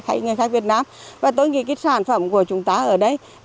hay người khách việt nam và tôi nghĩ sản phẩm của chúng ta ở đây